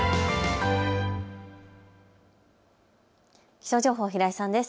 気象情報、平井さんです。